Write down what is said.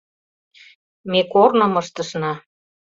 Ме корным ыштышна.